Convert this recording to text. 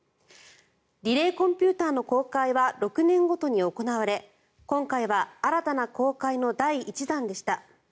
リレーコンピューターの更改は６年ごとに行われ今回は新たな更改の第１弾でした。